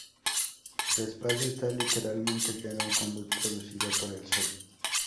El espacio está literalmente lleno con luz producida por el Sol.